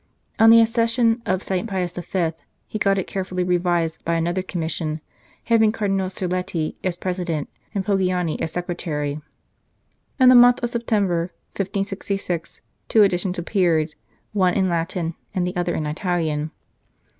On the accession of St. Pius V., he got it carefully revised by another Commission, having Cardinal Serletti as President, and Pogiani as Secretary. In the month of September, 1566, two editions appeared, one in Latin, and the other in Italian.